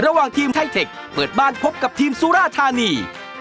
ระหว่างทีมไทเทคเปิดบ้านพบกับทีมสุราธานี